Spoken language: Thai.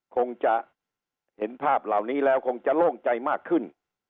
คงจะเห็นภาพเหล่านี้แล้วคงจะโล่งใจมากขึ้น